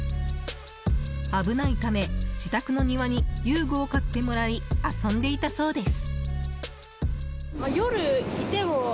危ないため、自宅の庭に遊具を買ってもらい遊んでいたそうです。